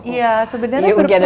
ya sebenarnya berproses